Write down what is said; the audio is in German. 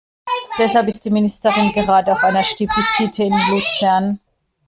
Deshalb ist die Ministerin gerade auf einer Stippvisite in Luzern.